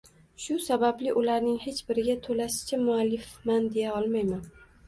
Shu sababli ularning hech biriga toʻlasicha muallifman deya olmayman